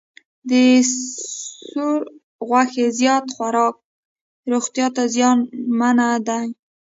د سور غوښې زیات خوراک روغتیا ته زیانمن دی.